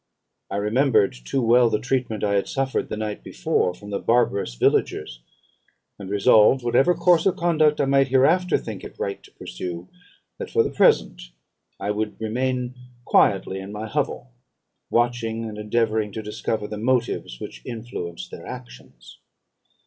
I remembered too well the treatment I had suffered the night before from the barbarous villagers, and resolved, whatever course of conduct I might hereafter think it right to pursue, that for the present I would remain quietly in my hovel, watching, and endeavouring to discover the motives which influenced their actions.